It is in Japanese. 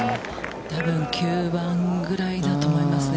多分９番ぐらいだと思いますね。